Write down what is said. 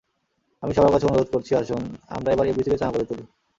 আমি সবার কাছে অনুরোধ করছি, আসুন আবার আমরা এফডিসিকে চাঙা করে তুলি।